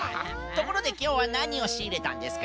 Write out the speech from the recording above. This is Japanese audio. ところできょうはなにをしいれたんですか？